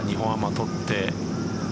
取って。